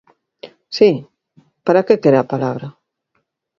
¿Si?, ¿para que quere a palabra?